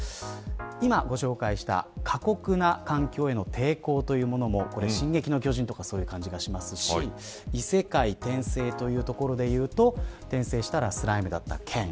今、ご紹介した過酷な環境への抵抗というものも進撃の巨人とかそういう感じがしますし異世界・転生というところでいうと転生したらスライムだった件。